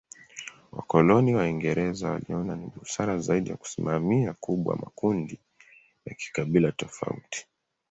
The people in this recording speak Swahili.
Wakoloni Waingereza waliona ni busara zaidi ya kusimamia kubwa makundi ya kikabila tofauti.